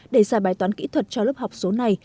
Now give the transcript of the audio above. để giải bài toán kỹ thuật cho lớp học số này